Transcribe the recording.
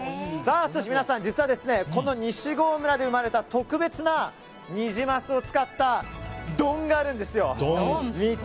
皆さん実はこの西郷村で生まれた特別なニジマスを使った丼があるんですよ。